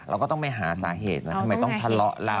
เราก็ต้องไปหาสาเหตุว่าทำไมต้องทะเลาะเรา